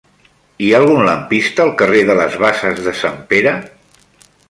Hi ha algun lampista al carrer de les Basses de Sant Pere?